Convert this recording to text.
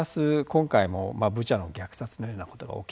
今回もブチャの虐殺のようなことが起きてると。